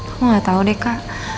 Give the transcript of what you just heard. aku gak tau deh kak